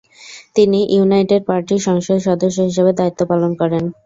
তিনি ইউনাইটেড পার্টির সংসদ সদস্য হিসেবে দায়িত্ব পালন করেন।